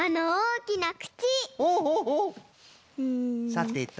さてと。